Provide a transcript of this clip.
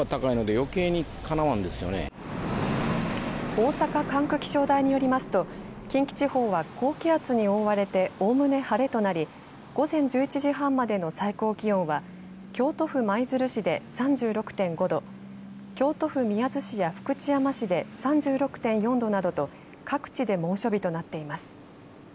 大阪管区気象台によりますと近畿地方は高気圧に覆われておおむね晴れとなり午前１１時半までの最高気温は京都府舞鶴市で３６．５度京都府宮津市や福知山市で３６．４度などと各地で猛暑日となっています。